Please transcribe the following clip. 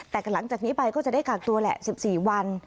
แต่หลังจากนี้ไปก็จะได้กากตัวแหละ๑๔วัน